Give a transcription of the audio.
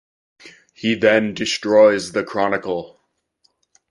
He then destroys the Chronicle.